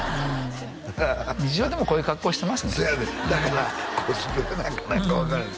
日常でもこういう格好してますねせやねんだからコスプレなんか分からへん